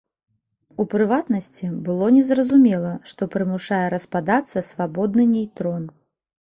У прыватнасці, было незразумела, што прымушае распадацца свабодны нейтрон.